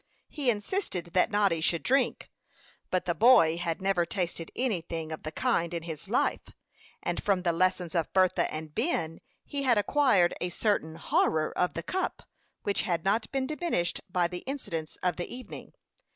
He insisted that Noddy should drink; but the boy had never tasted anything of the kind in his life; and from the lessons of Bertha and Ben he had acquired a certain horror of the cup, which had not been diminished by the incidents of the evening.